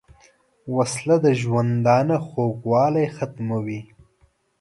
وسله د ژوندانه خوږوالی ختموي